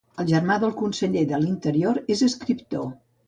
El germà del conseller de l'Interior és escriptor.